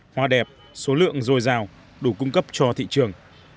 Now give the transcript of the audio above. hoa đẹp số lượng dồi dào đủ cung cấp cho thị trường